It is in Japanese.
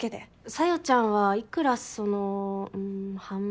紗世ちゃんはいくらそのハン。